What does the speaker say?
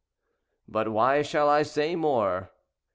But why shall I say more?